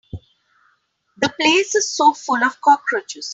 The place is so full of cockroaches.